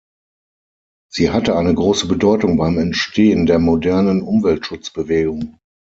Sie hatte eine große Bedeutung beim Entstehen der modernen Umweltschutzbewegung.